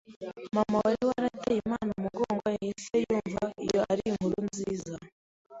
Mama wari warateye Imana umugongo yahise yumva iyo ari inkuru nziza